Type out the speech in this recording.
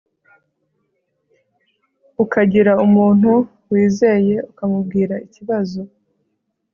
ukagira umuntu wizeye ukamubwira ikibazo